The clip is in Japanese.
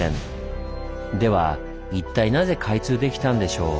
では一体なぜ開通できたんでしょう？